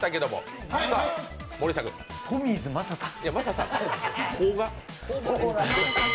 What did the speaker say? トミーズ雅さん。